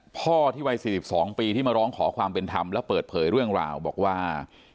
พ่อที่วัย๔๒ปีที่มาร้องขอความเป็นธรรมและเปิดเผยเรื่องราวบอกว่า